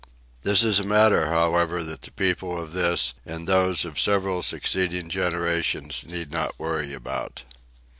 This is a matter, however, that the people of this and those of several succeeding generations need not worry about.